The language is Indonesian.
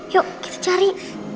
yuk kita cari